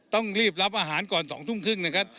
ต้องรีบรับอาหารก่อน๒ทุ่มครึ่งนะครับ